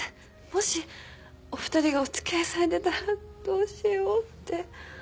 もしお二人がお付き合いされてたらどうしようって。